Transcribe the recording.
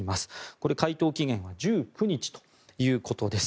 これ、回答期限は１９日ということです。